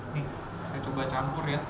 nih saya coba campur ya